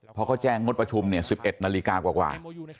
เพราะเขาแจ้งงดประชุม๑๑นาฬิกากว่า